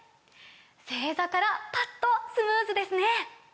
正座からパッとスムーズですね！